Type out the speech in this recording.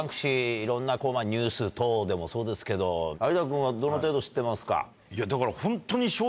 いろんなニュース等でもそうですけど有田君はどの程度知ってますか？